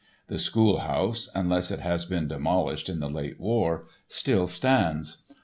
The schoolhouse (unless it has been demolished in the late war) still stands.